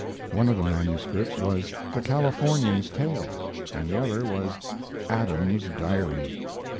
One of the manuscripts was 'The Californian's Tale' and the other was 'Adam's Diary'.